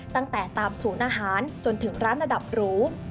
ตั้งแต่ตามศูนย์อาหารจนถึงร้านระดับหรู